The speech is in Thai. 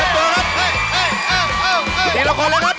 เทียบตัวครับ